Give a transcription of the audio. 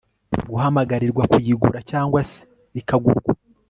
guhamagarirwa kuyigura cyangwa se ikagurwa